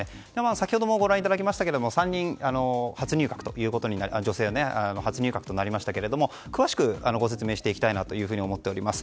先ほどもご覧いただきましたけれども３人、女性初入閣となりましたが詳しくご説明していきたいなと思います。